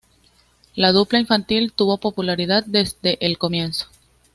La dupla infantil tuvo popularidad desde el comienzo.